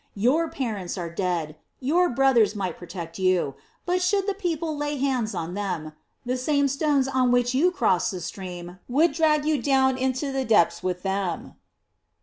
Your parents are dead, your brothers might protect you, but should the people lay hands on them, the same stones on which you cross the stream would drag you down into the depths with them."